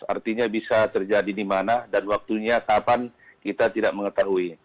artinya bisa terjadi di mana dan waktunya kapan kita tidak mengetahui